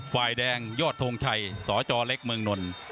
ฝ่ายแดงยอดทงชัยสจเล็กเมืองนล